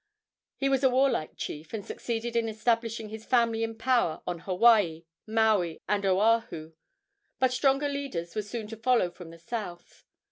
He was a warlike chief, and succeeded in establishing his family in power on Hawaii, Maui and Oahu. But stronger leaders were soon to follow from the south.